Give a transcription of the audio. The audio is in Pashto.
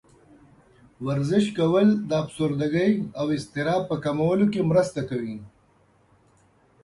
ورزش کول د افسردګۍ او اضطراب په کمولو کې مرسته کوي.